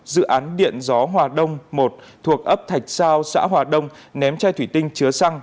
dự án điện gió hòa đông một thuộc ấp thạch sao xã hòa đông ném chai thủy tinh chứa xăng